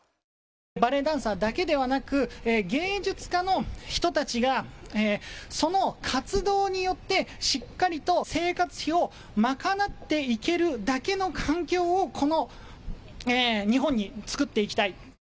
バレエダンサーだけではなく、芸術家の人たちがその活動によってしっかりと生活費を賄っていけるだけの環境を、この日本につくっていきたい。